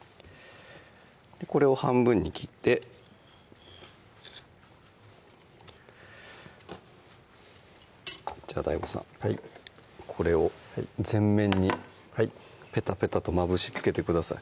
これを半分に切ってじゃあＤＡＩＧＯさんはいこれを全面にペタペタとまぶし付けてください